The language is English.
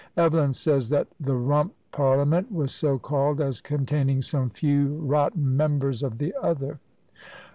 Evelyn says that "the Rump parliament was so called as containing some few rotten members of the other."